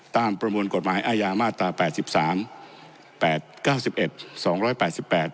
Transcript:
ประมวลกฎหมายอาญามาตราแปดสิบสามแปดเก้าสิบเอ็ดสองร้อยแปดสิบแปด